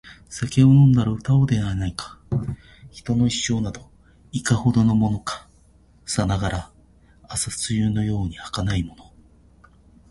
酒を飲んだら歌おうではないか／人の一生など、いかほどのものか／さながら朝露のように儚いもの